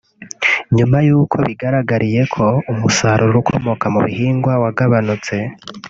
nyuma y’uko bigaragariye ko umusaruro ukomoka ku bihingwa wagabanutse